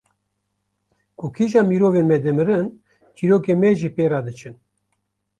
Ku kîjan mirovên me dimirin çîrokên me jî pê re diçin